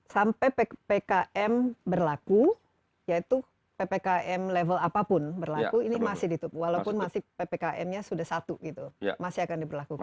sampai ppkm berlaku yaitu ppkm level apapun berlaku ini masih ditutup walaupun masih ppkm nya sudah satu gitu masih akan diberlakukan